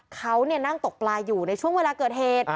เขานั่งตกปลาอยู่ในช่วงเวลาเกิดเหตุ